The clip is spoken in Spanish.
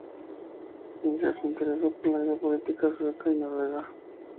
Inger se interesó por la vida política sueca y noruega.